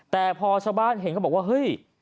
แต่พอชาวบ้านเห็นเขาบอกว่าเฮ้ย